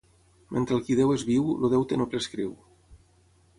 Mentre el qui deu és viu, el deute no prescriu.